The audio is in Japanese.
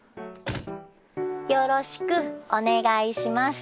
よろしくお願いします。